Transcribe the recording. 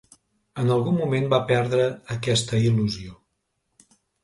En algun moment va perdre aquesta il·lusió.